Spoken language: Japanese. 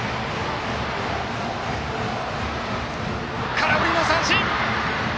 空振りの三振！